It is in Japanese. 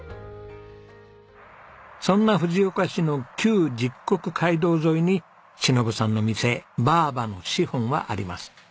そんな藤岡市の旧十石街道沿いに忍さんの店「ばぁばのシフォン」はあります。